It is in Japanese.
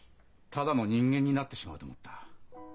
ただの人間になってしまうと思った。